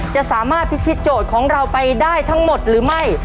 จะสามารถพิธีโจทย์ของเราไปได้ทั้งหมดหรือไม่